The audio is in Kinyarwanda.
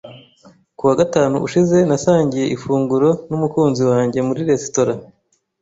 Ku wa gatanu ushize nasangiye ifunguro n'umukunzi wanjye muri resitora.